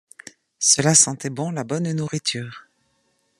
Cela sentait bon la bonne nourriture.